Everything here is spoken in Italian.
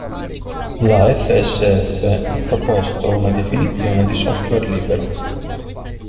La FSF ha proposto una definizione di software libero.